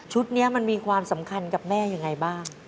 นี้มันมีความสำคัญกับแม่ยังไงบ้าง